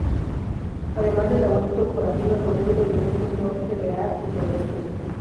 Además de la web corporativa www.rtva.es.